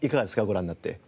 ご覧になって。